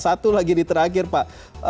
satu lagi di terakhir pak